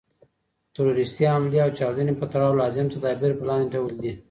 د تروریستي حملې او چاودني په تړاو لازم تدابیر په لاندي ډول دي.